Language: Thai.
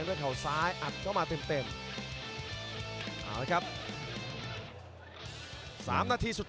มงคลพยายามจะอาศัยลูกจัดแจ้งยัดด้วยข่าวซ้ายโตขึ้น